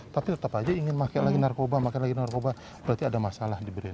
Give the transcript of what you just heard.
tapi tetap aja ingin pakai lagi narkoba pakai lagi narkoba berarti ada masalah diberikan